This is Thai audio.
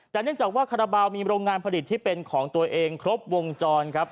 แต่เนื่องจากว่าคาราบาลมีโรงงานผลิตที่เป็นของตัวเองครบวงจรครับ